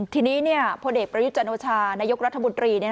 ทีนี้พอเด็กประหยุดจันโวชานายกรัฐมูลตรี